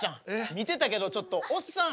見てたけどちょっとおっさん